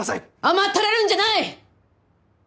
甘ったれるんじゃない！